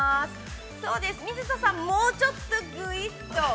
そうです、水田さん、もうちょっと、ぐいっと。